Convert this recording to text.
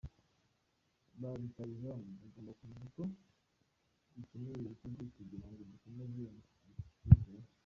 Ba rutahizamu bagomba kumenya ko dukeneye ibitego kugira ngo dukomeze mu cyiciro gikurikiraho.